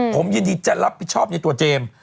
ผมยินดีจะรับผิดชอบในตัวเจมส์